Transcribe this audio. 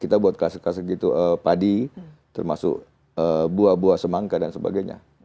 kita buat kasus kasus gitu padi termasuk buah buah semangka dan sebagainya